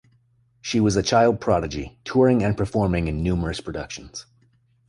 She was a child prodigy, touring and performing in numerous productions.